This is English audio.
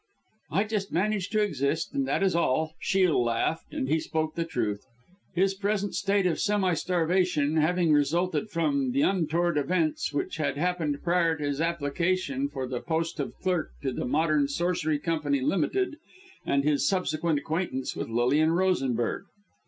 "I just manage to exist, and that is all," Shiel laughed, and he spoke the truth, his present state of semi starvation having resulted from the untoward events, which had happened prior to his application for the post of clerk to the Modern Sorcery Company Ltd., and his subsequent acquaintance with Lilian Rosenberg.